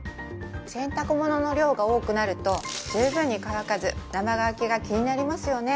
洗濯物の量が多くなると十分に乾かず生乾きが気になりますよね